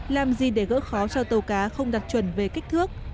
làm gì để gỡ khó cho tàu cá không đặt chuẩn về kích thước